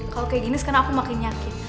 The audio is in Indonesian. kalau kayak gini sekarang aku makin nyakit